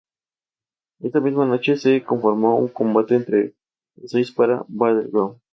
Esa misma noche, se confirmó un combate entre los seis para Battleground.